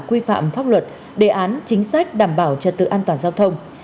quy phạm pháp luật đề án chính sách đảm bảo trật tự an toàn giao thông